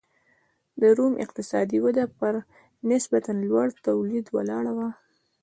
د روم اقتصادي وده پر نسبتا لوړ تولید ولاړه وه